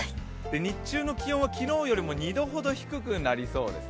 日中の気温は昨日よりも２度ほど低くなりそうです。